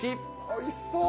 おいしそう！